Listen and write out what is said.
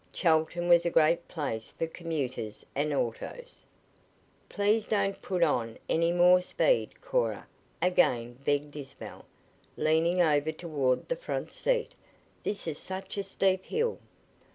Chelton was a great place for commuters and autos. "Please don't put on any more speed, Cora," again begged Isabel, leaning over toward the front seat. "This is such a steep hill."